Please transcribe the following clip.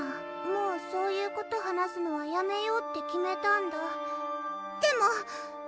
もうそういうこと話すのはやめようって決めたんだでも！